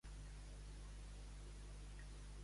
el del Sot de l'Om i el de Vallserena